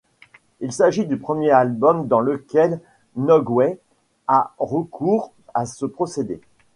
Il s'agit du premier album dans lequel Mogwai a recours à ce procédé.